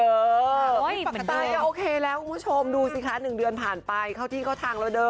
ปกติโอเคแล้วคุณผู้ชมดูสิคะ๑เดือนผ่านไปเข้าที่เข้าทางแล้วเด้อ